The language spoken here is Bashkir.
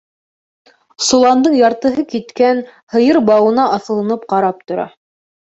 Соландың яртыһы киткән, һыйыр бауына аҫылынып ҡарап тора.